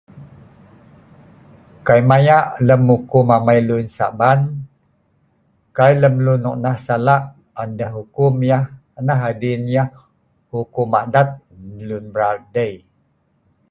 Kai maya’ lem ukum amai luen saban, kai lem luen nok nah sala’, an deeh ukum yeh . Nah adien yeh hukum adaat nah luen mbraal dei